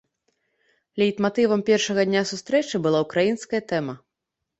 Лейтматывам першага дня сустрэчы была ўкраінская тэма.